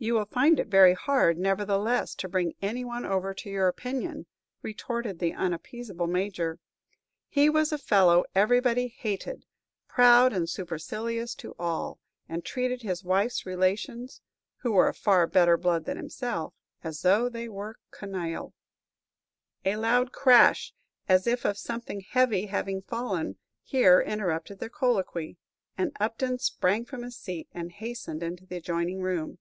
"You will find it very hard, nevertheless, to bring any one over to your opinion," retorted the unappeasable Major. "He was a fellow everybody hated; proud and supercilious to all, and treated his wife's relations who were of far better blood than himself as though they were canaille." A loud crash, as if of something heavy having fallen, here interrupted their colloquy, and Upton sprang from his seat and hastened into the adjoining room.